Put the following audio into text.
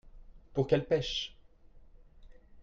pour qu'elles pêchent.